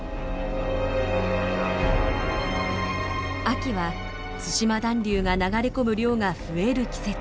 秋は対馬暖流が流れ込む量が増える季節。